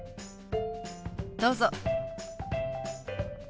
どうぞ。